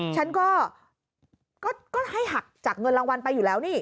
ฉันก็ให้หักจากเงินรางวัลไปอยู่แล้วนี่